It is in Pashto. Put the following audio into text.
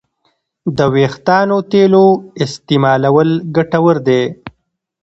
د وېښتیانو تېلو استعمال ګټور دی.